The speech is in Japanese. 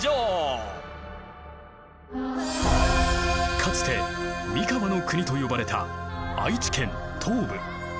かつて三河国と呼ばれた愛知県東部。